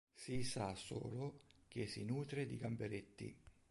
Si sa solo che si nutre di gamberetti.